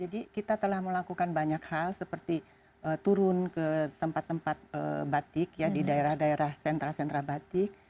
jadi kita telah melakukan banyak hal seperti turun ke tempat tempat batik ya di daerah daerah sentra sentra batik